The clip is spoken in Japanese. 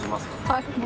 はい。